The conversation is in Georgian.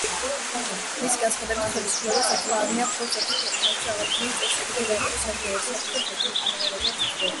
მისი განცხადებით „ხელისუფლებას ახლა არმია ფლობს, რათა ქვეყანაში აღადგინოს წესრიგი და გაატაროს საჭირო რეფორმები“.